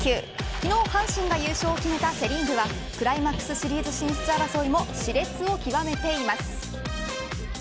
昨日、阪神が優勝を決めたセ・リーグはクライマックスシリーズ進出争いもし烈をきわめています。